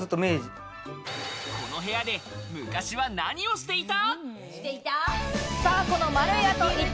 この部屋で昔は何をしていた？